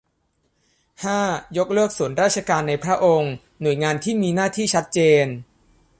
ห้า ยกเลิกส่วนราชการในพระองค์ หน่วยงานที่มีหน้าที่ชัดเจน